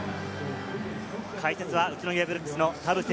解説は宇都宮ブレックスの田臥